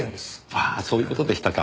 ああそういう事でしたか。